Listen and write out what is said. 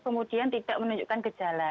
kemudian tidak menunjukkan gejala